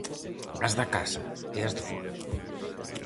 As da casa, e as de fóra.